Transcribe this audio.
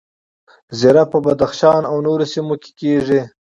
زیره په بدخشان او نورو سیمو کې کیږي